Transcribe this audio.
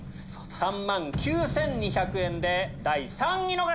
３万９２００円で第３位の方！